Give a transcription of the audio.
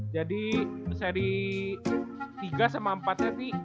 jadi seri tiga sama empat nya